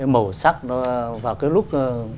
màu sắc nó vào cái lúc